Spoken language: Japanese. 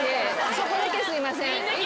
そこだけすいません。